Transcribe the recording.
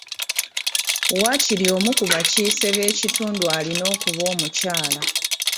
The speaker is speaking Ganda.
Waakiri omu ku bakiise b'ekitundu alina okuba omukyala.